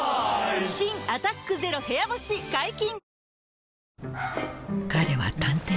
新「アタックＺＥＲＯ部屋干し」解禁‼